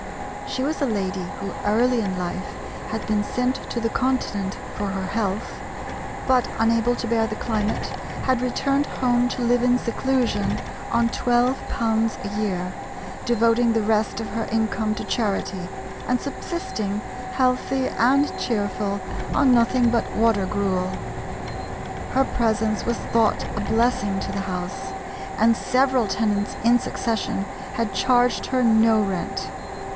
She was a lady who early in life had been sent to the Continent for her health, but unable to bear the climate, had returned home to live in seclusion on £12 a year, devoting the rest of her income to charity, and subsisting, healthy and cheerful, on nothing but water gruel. Her presence was thought a blessing to the house, and several tenants in succession had charged her no rent.